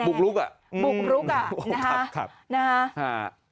บุกลุกอะบุกลุกอะนะฮะนะฮะ